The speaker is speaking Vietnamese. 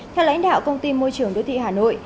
theo lãnh đạo công ty môi trường đô thị hà nội